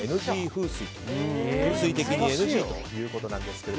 風水的にＮＧということなんですが。